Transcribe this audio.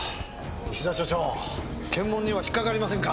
石田署長検問には引っかかりませんか？